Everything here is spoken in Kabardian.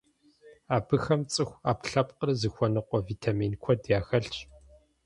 Абыхэм цӀыху Ӏэпкълъэпкъыр зыхуэныкъуэ витамин куэд яхэлъщ.